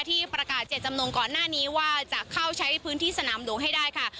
ที่ประกาศเจตจำนงก่อนหน้านี้ว่าจะเข้าใช้พื้นที่สนามหลวงให้ได้ค่ะ